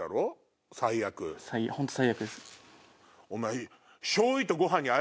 お前。